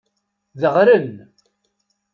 Deɣren.